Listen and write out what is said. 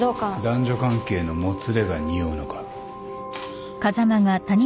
男女関係のもつれがにおうのか？